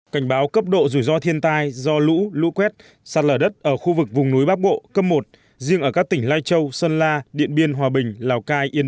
cảnh báo cấp độ rủi ro thiên tai do lũ lũ quét sạt lở đất ở khu vực vùng núi bắc bộ cấp một